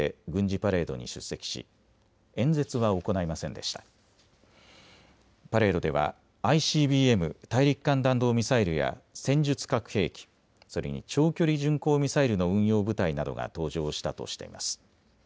パレードではＩＣＢＭ・大陸間弾道ミサイルや戦術核兵器、それに長距離巡航ミサイルの運用部隊などが登場したとしています。